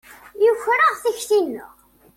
Yuker-aɣ tikti-nneɣ.